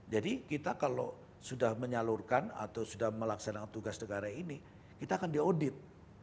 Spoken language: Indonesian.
jadi kita kalau sudah menyalurkan atau sudah melaksanakan tugas negara ini kita akan diaudit